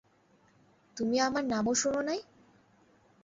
তুমি আমার নামও শুন নাই?